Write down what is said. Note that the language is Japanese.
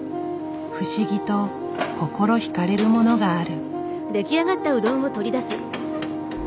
不思議と心ひかれるものがある。